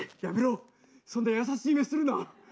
やめろそんな優しい目するな。